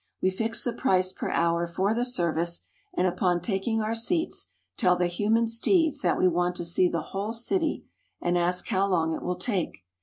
We fix the price per hour for the service, and upon taking our seats tell the human steeds that we want to see the whole city, and ask how long it will take.